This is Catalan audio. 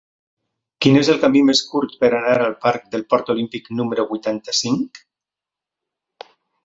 Quin és el camí més curt per anar al parc del Port Olímpic número vuitanta-cinc?